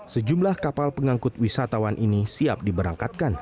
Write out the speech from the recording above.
sejumlah kapal pengangkut wisatawan ini siap diberangkatkan